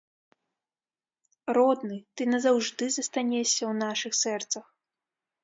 Родны, ты назаўжды застанешся ў нашых сэрцах.